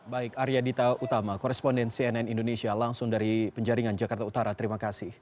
baik arya dita utama koresponden cnn indonesia langsung dari penjaringan jakarta utara terima kasih